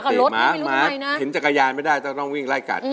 หมาเห็นจักรยานไม่ได้ต้องวิ่งไล่กัด